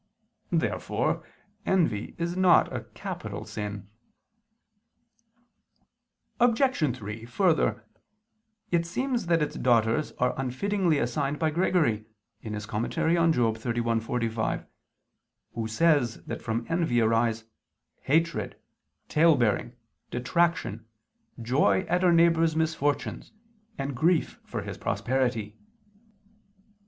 Therefore envy is not a capital sin. Obj. 3: Further, it seems that its daughters are unfittingly assigned by Gregory (Moral. xxxi, 45), who says that from envy arise "hatred, tale bearing, detraction, joy at our neighbor's misfortunes, and grief for his prosperity."